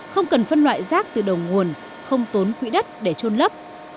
không cần phân loại rác từ đầu nguồn không tốn quỹ đất để trôn lấp